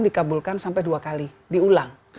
dikabulkan sampai dua kali diulang